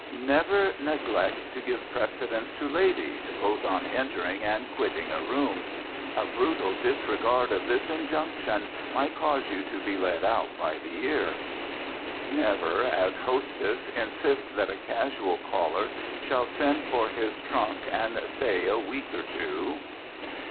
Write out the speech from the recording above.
Never neglect to give precedence to ladies, both on entering and quitting a room. A brutal disregard of this injunction might cause you to be led out by the ear. Never, as hostess, insist that a casual caller shall send for his trunk and stay a week or two.